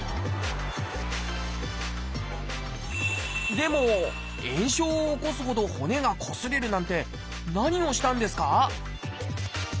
でも炎症を起こすほど骨がこすれるなんて何をしたんですか？